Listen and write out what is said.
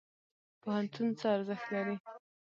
پوهنتون څه ارزښت لري؟